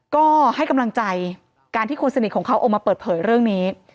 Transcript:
ก็ให้กำลังใจการที่คนสนิทของเขาออกมาเปิดเผยเรื่องนี้